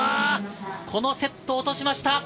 このセット、落としました。